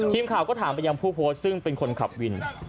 ทีมข่าวก็ถามไปยังผู้โพสต์ซึ่งเป็นคนขับวิน